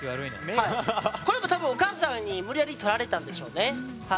これもお母さんに無理やり撮られたんでしょうね。